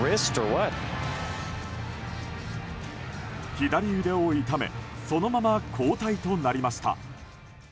左腕を痛めそのまま交代となりました。